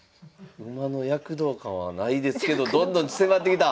馬の躍動感はないですけどどんどん迫ってきた！